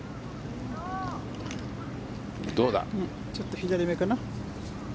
ちょっと左めかな。